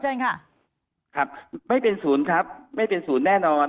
เชิญค่ะครับไม่เป็นศูนย์ครับไม่เป็นศูนย์แน่นอน